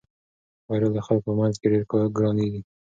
خبریال د خلکو په منځ کې ډېر ګرانیږي.